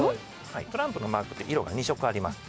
トランプのマークって色が２色あります。